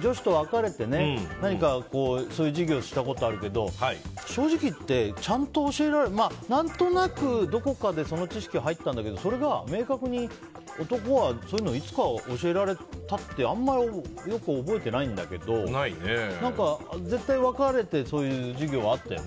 女子と分かれてそういう授業をしたことがあるけど正直いって、ちゃんと教えられる何となくどこかでその知識は入ったんだけどそれが明確に、男はそういうのいつ教えられたってよく覚えてないんだけど絶対分かれて授業があったよね。